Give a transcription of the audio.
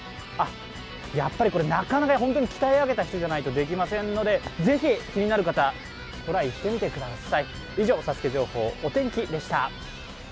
やっぱりなかなか鍛え上げた人でないとできませんので、ぜひ気になる方、トライしてみてください。